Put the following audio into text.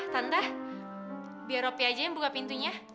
tante biar ropi aja yang buka pintunya